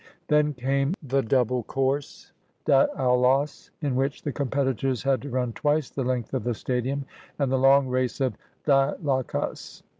Then came the double course — diaulos — in which the competitors had to run twice the length of the stadium, and the long race or dolichos.